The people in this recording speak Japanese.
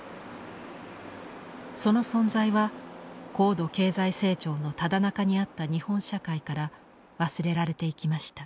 その存在は高度経済成長のただ中にあった日本社会から忘れられていきました。